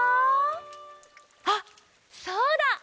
あっそうだ！